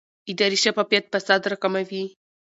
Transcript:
اداري شفافیت فساد راکموي